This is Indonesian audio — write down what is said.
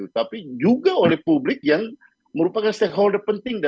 tapi juga oleh publik yang merupakan stakeholder penting